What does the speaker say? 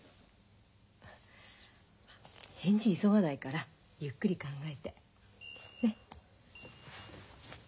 返事急がないからゆっくり考えて。ね！